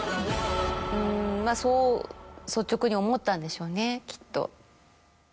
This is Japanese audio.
うんまぁそう率直に思ったんでしょうねきっと。